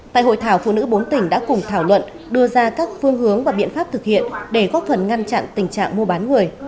tại hội thảo phụ nữ bốn tỉnh đã cùng thảo luận đưa ra các phương hướng và biện pháp thực hiện để góp phần ngăn chặn tình trạng mua bán người